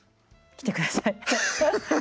来てください。